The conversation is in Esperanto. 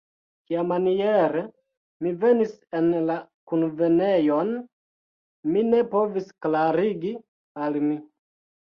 Kiamaniere mi venis en la kunvenejon, mi ne povis klarigi al mi.